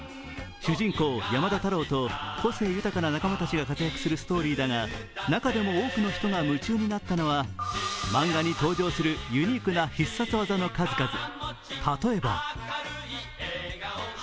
主人公・山田太郎と個性豊かな仲間たちが活躍するストーリーだが、中でも多くの人が夢中になったのは漫画に登場するユニークな必殺技の数々。